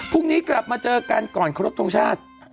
พรุ่งนี้กลับมาเจอกันก่อนขอรบทรงชาติ